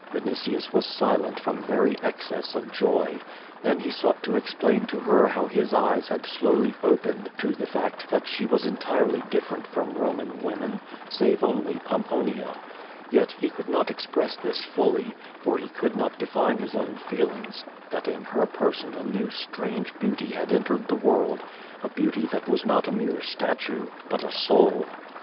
Vinitius was silent from very excess of joy. Then he sought to explain to her how his eyes had slowly opened to the fact that she was entirely different from Roman women, save only Pomponia. Yet he could not express this fully, for he could not define his own feelings, that in her person a new strange beauty had entered the world, a beauty that was not a mere statue, but a soul.